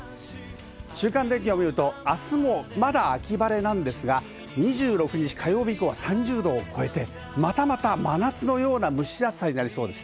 週間天気を見ると、あすもまだ秋晴れなんですが、２６日・火曜日以降は３０度を超えてまたまた真夏のような蒸し暑さになりそうです。